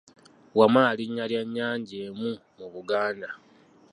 Wamala linnya lya nnyanja emu mu Buganda.